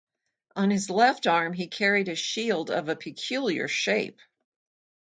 On his left arm he carried a shield of a peculiar shape.